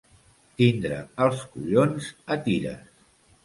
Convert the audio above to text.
Tindre els collons a tires.